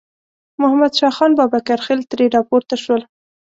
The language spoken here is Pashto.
محمد شاه خان بابکرخېل ترې راپورته شول.